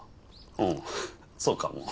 うんそうかも。